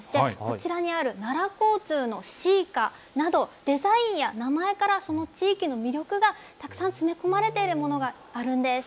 こちらにある奈良交通のＣＩ−ＣＡなどデザインや名前からその地域の魅力がたくさん詰め込まれているものがあるんです。